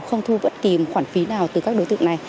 không thu vấn kìm khoản phí nào từ các đối tượng này